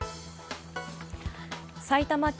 埼玉県